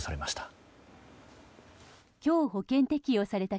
今日、保険適用されました。